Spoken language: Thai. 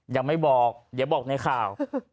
ยังไม่บอกเดี๋ยวบอกในข่าว